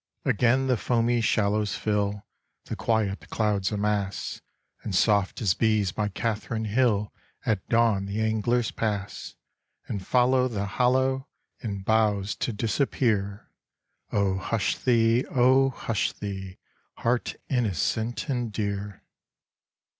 Again the foamy shallows fill, The quiet clouds amass, And soft as bees by Catherine Hill At dawn the anglers pass, And follow the hollow, In boughs to disappear. O hush thee, O hush thee! heart innocent and dear.